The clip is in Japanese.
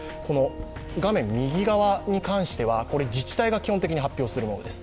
画面右側に関しては自治体が基本的に発表するものです。